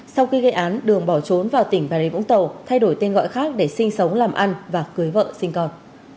sau khi gây án đường bỏ trốn vào tỉnh bà rê vũng tàu thay đổi tên gọi khác để sinh sống làm ăn và cưới vợ sinh con